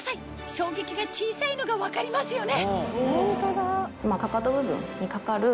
衝撃が小さいのが分かりますよね